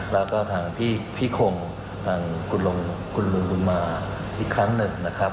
แล้วก็ทางพี่คงทางคุณลุงบุญมาอีกครั้งหนึ่งนะครับ